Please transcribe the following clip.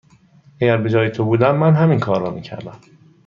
اگر به جای تو بودم، من همین کار را می کردم.